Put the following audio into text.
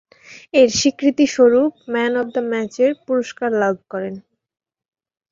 এর স্বীকৃতিস্বরূপ man of the ম্যাচের পুরস্কার লাভ করেন।